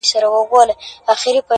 زما په خيال هري انجلۍ ته گوره!!